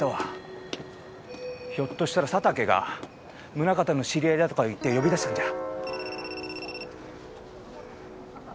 ひょっとしたら佐竹が宗形の知り合いだとか言って呼び出したんじゃ。